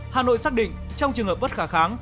hà nội xác định trong trường hợp bất khả kháng